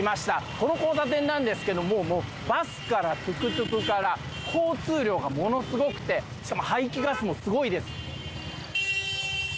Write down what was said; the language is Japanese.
この交差点なんですけれども、もうバスからトゥクトゥクから、交通量がものすごくて、しかも排気ガスがすごいです。